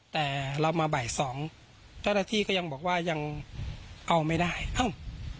แต่เรามาบ่ายสองเจ้าหน้าที่ก็ยังบอกว่ายังเอาไม่ได้เอ้า